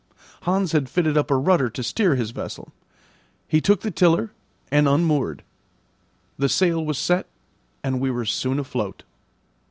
Hans had fitted up a rudder to steer his vessel. He took the tiller, and unmoored; the sail was set, and we were soon afloat.